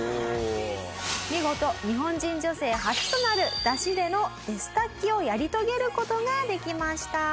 見事日本人女性初となる山車でのデスタッキをやり遂げる事ができました。